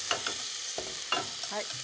はい。